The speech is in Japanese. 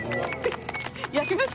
やりました！